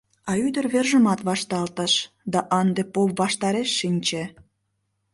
А ӱдыр вержымат вашталтыш да ынде поп ваштареш шинче.